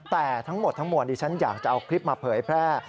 แต่ทั้งหมดทั้งมวลดิฉันอยากจะเอาคลิปมาเผยแพร่